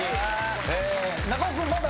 中尾君まだ。